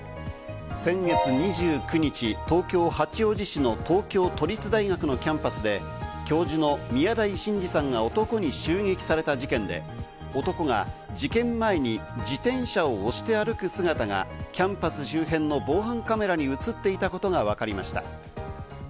先月２９日、東京・八王子市の東京都立大学のキャンパスで教授の宮台真司さんが男に襲撃された事件で、男が事件前に自転車を押して歩く姿がキャンパス周辺の防犯カメラに映っていたことがわかりました。